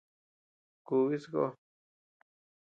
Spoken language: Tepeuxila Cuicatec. Kùbi sakó.